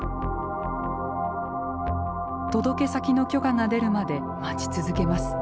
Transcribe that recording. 届け先の許可が出るまで待ち続けます。